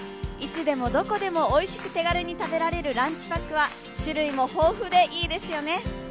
いつでもどこでもおいしく手軽に食べられるランチパックは種類も豊富でいいですよね。